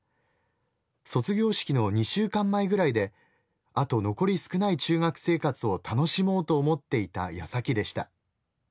卒業式の２週間前ぐらいであと残り少ない中学生活を楽しもうと思っていた矢先でした。